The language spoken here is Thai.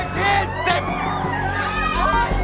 เพลงที่๑๐